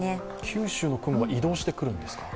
九州の雲が移動してくるんですか？